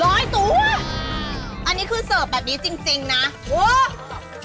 ร้อยตัวอันนี้คือเสิร์ฟแบบนี้จริงนะโอ๊ะอ้อใจ